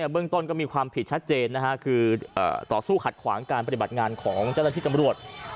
เบื้องต้นก็มีความผิดชัดเจนคือต่อสู้ขัดขวางการปฏิบัติงานของเจ้าตัวน้างเพราะตัวนางเพราะโจรโลกร